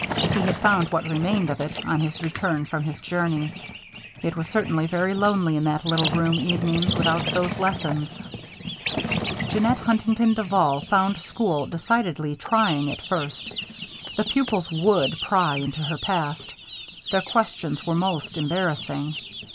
He had found what remained of it, on his return from his journey. It was certainly very lonely in that little room evenings, without those lessons. Jeannette Huntington Duval found school decidedly trying at first. The pupils would pry into her past. Their questions were most embarrassing.